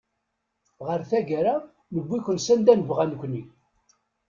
Ɣer tagara newwi-ken sanda nebɣa nekni.